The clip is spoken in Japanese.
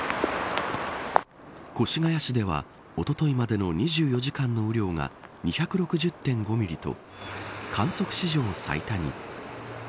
越谷市ではおとといまでの２４時間の雨量が２６０．５ミリと観測史上最多に。